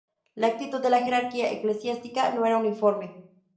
La actitud de la jerarquía eclesiástica no era uniforme.